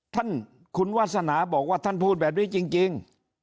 ท่านคุณวาสนาบอกว่าท่านพูดแบบนี้จริง